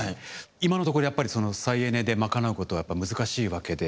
今のところやっぱり再エネで賄うことは難しいわけで。